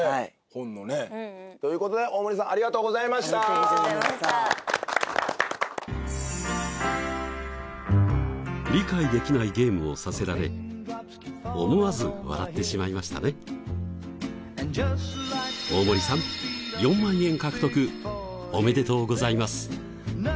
本をねということで大森さんありがとうございましたありがとうございました理解できないゲームをさせられ思わず笑ってしまいましたね大森さん４万円獲得おめでとうございます